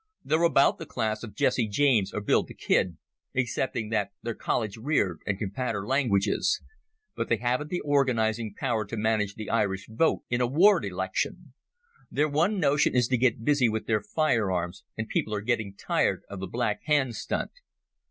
They're about the class of Jesse James or Billy the Kid, excepting that they're college reared and can patter languages. But they haven't the organizing power to manage the Irish vote in a ward election. Their one notion is to get busy with their firearms, and people are getting tired of the Black Hand stunt.